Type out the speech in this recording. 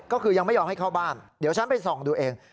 ก็คือยังไม่ยอมให้เข้าบ้านเดี๋ยวฉันไปส่องดูเอง